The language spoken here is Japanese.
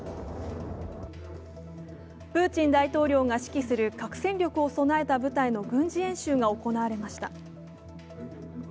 プーチン大統領が指揮する核戦力を備えた部隊の軍事演習が行われました。